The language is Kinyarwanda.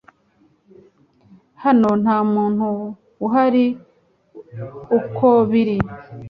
Hano nta muntu uhari uko biri